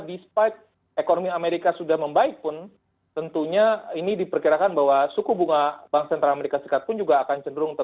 despite ekonomi amerika sudah membaik pun tentunya ini diperkirakan bahwa suku bunga bank sentral amerika serikat pun juga akan cenderung